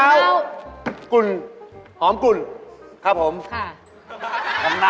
แล้วกุ่นหอมกุ่นครับผมค่ะ